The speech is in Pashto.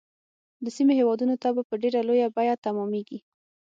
د سیمې هیوادونو ته به په ډیره لویه بیعه تمامیږي.